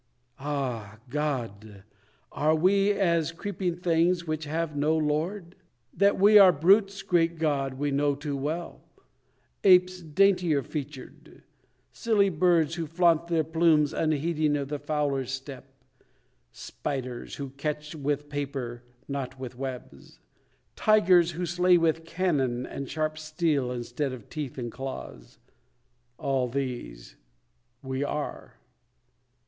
Ah God! Are we as creeping things, which have no Lord? That we are brutes, great God, we know too well; Apes daintier featured; silly birds who flaunt Their plumes unheeding of the fowler's step; Spiders, who catch with paper, not with webs; Tigers, who slay with cannon and sharp steel, Instead of teeth and claws; all these we are.